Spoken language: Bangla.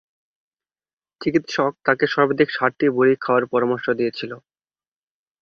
চিকিৎসক তাকে সর্বাধিক সাতটি বড়ি খাওয়ার পরামর্শ দিয়েছিল।